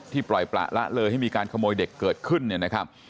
ปล่อยประละเลยให้มีการขโมยเด็กเกิดขึ้นเนี่ยนะครับ